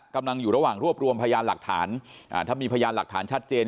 กำลังอยู่ระหว่างรวบรวมพยานหลักฐานถ้ามีพยานหลักฐานชัดเจน